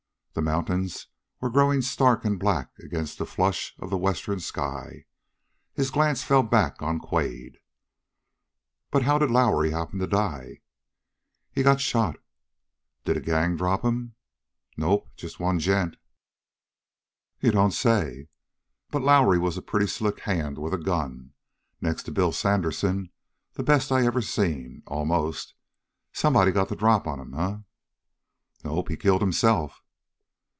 The mountains were growing stark and black against the flush of the western sky. His glance fell back upon Quade. "But how did Lowrie happen to die?" "He got shot." "Did a gang drop him?" "Nope, just one gent." "You don't say! But Lowrie was a pretty slick hand with a gun next to Bill Sandersen, the best I ever seen, almost! Somebody got the drop on him, eh?" "Nope, he killed himself!"